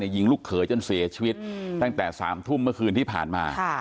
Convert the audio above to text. ยิงลูกเขยจนเสียชีวิตตั้งแต่๓ทุ่มเมื่อคืนที่ผ่านมา